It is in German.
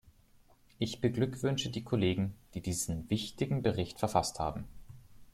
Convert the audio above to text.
Ich beglückwünsche die Kollegen, die diesen wichtigen Bericht verfasst haben.